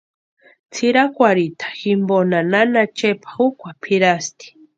Tsʼirakwarhita jimponha nana Chepa jukwa pʼirasti.